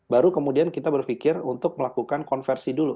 baru kemudian kita berpikir untuk melakukan konversi dulu